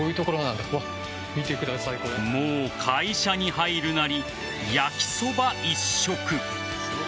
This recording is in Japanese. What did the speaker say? もう、会社に入るなり焼きそば一色。